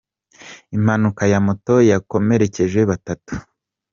Impanuka ya moto yakomerekeje batatu